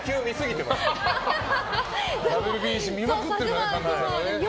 ＷＢＣ見まくってるからね。